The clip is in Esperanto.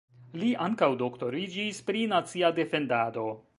Li ankaŭ doktoriĝis pri nacia defendado.